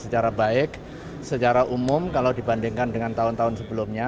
secara baik secara umum kalau dibandingkan dengan tahun tahun sebelumnya